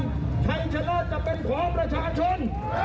ชัยชนะจะเป็นของประชาชน